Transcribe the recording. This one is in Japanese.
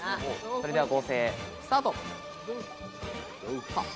それでは合成スタート。